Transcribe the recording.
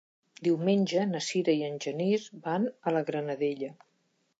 Diumenge na Sira i en Genís van a la Granadella.